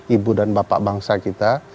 ibu dan bapak bangsa kita